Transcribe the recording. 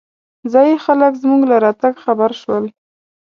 ځايي خلک زمونږ له راتګ خبر شول.